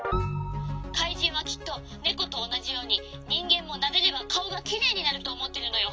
かいじんはきっとネコとおなじようににんげんもなでればかおがきれいになるとおもってるのよ」。